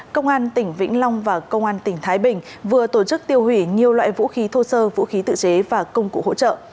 công an tỉnh vĩnh long và công an tỉnh thái bình vừa tổ chức tiêu hủy nhiều loại vũ khí thô sơ vũ khí tự chế và công cụ hỗ trợ